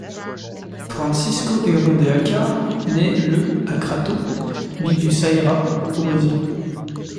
Francisco Héron de Alencar naît le à Crato, ville du Ceará, au Brésil.